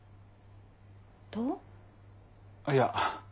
あっいや。